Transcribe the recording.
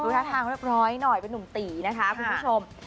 ท่าทางเรียบร้อยหน่อยเป็นนุ่มตีนะคะคุณผู้ชม